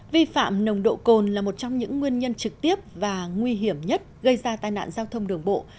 vi phạm nồng độ cồn là một trong những nguyên nhân trực tiếp và nguy hiểm nhất gây ra tai nạn giao thông đường bộ